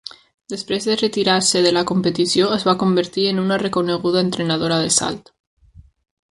Després de retirar-se de la competició es va convertir en una reconeguda entrenadora de salt.